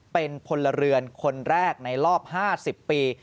เป็นพลเรือนคนแรกในรอบ๕๐ปี